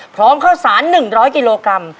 พร้อมข้าวสาร๑๐๐กิโลกรัม